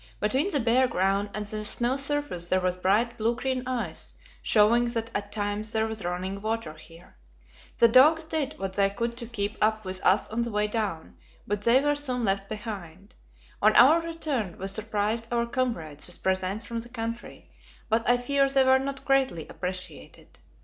Between the bare ground and the snow surface there was bright, blue green ice, showing that at times there was running water here. The dogs did what they could to keep up with us on the way down, but they were soon left behind. On our return, we surprised our comrades with presents from the country, but I fear they were not greatly appreciated.